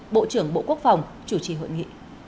bộ trưởng bộ quốc phòng chủ trì hội nghị